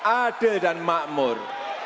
ade dan makmur